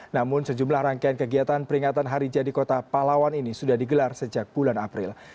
namun sejumlah rangkaian kegiatan peringatan hari jadi kota palawan ini sudah digelar sejak bulan april